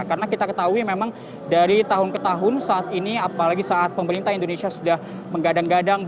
karena kita ketahui memang dari tahun ke tahun saat ini apalagi saat pemerintah indonesia sudah menggadang gadang